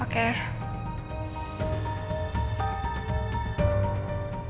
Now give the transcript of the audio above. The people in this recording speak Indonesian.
kamu gak bisa jalan